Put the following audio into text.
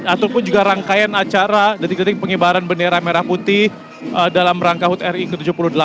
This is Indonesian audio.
ataupun juga rangkaian acara detik detik pengibaran bendera merah putih dalam rangka hut ri ke tujuh puluh delapan